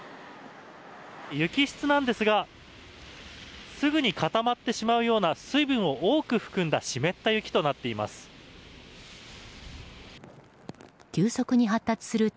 雪質なんですがすぐに固まってしまうような水分を多く含んだ湿った雪となっています。